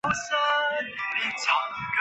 史丹福路是在新加坡的一条单行道。